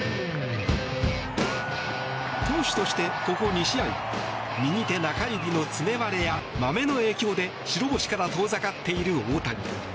投手としてここ２試合右手中指の爪割れやまめの影響で白星から遠ざかっている大谷。